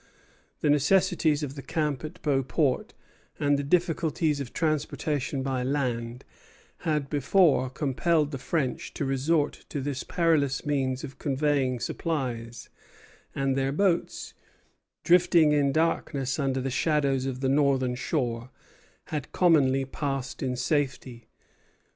The necessities of the camp at Beauport, and the difficulties of transportation by land, had before compelled the French to resort to this perilous means of conveying supplies; and their boats, drifting in darkness under the shadows of the northern shore, had commonly passed in safety.